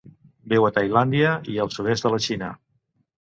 Viu a Tailàndia i el sud-est de la Xina.